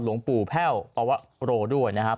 หลวงปู่แพ่วปวโรด้วยนะครับ